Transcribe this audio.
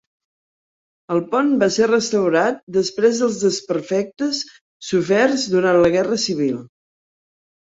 El pont va ser restaurat després dels desperfectes soferts durant la guerra civil.